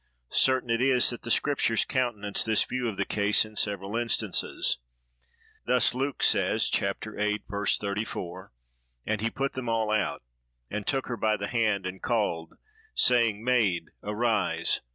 Certain it is, that the Scriptures countenance this view of the case in several instances; thus, Luke says, viii. 34: "And he put them all out, and took her by the hand, and called, saying, 'Maid, arise!